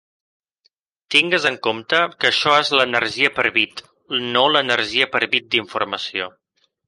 Tingues en compte que això és l'energia per bit, no l'energia per bit d'informació.